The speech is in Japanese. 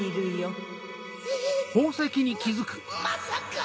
まさか。